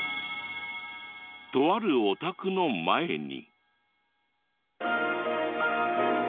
とあるお宅の前に。